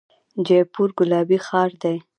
جیپور ګلابي ښار دی.